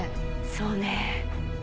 そうね。